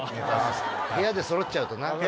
部屋でそろっちゃうとな。